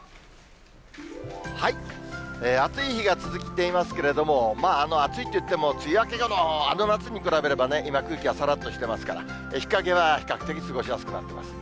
暑い日が続いていますけれども、暑いっていっても、梅雨明け後のあの夏に比べれば、今、空気はさらっとしてますから、日陰は比較的、過ごしやすくなってます。